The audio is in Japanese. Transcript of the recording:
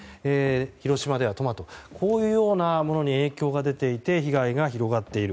広島ではトマトこういうようなものに影響が出て被害が広がっている。